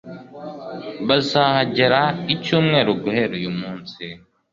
Bazahagera icyumweru guhera uyu munsi.